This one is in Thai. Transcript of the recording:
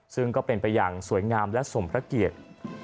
ซึ่งก็เป็นไปอย่างสวยงามและสมพระเกียรติ